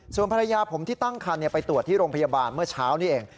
ส่วนภรรยาผมที่ตั้งคันไปตรวจที่โรงพยาบาลเมื่อเช้านี้เอง